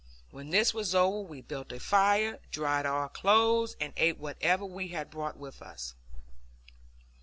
When this was over, we built a fire, dried our clothes, and ate whatever we had brought with us.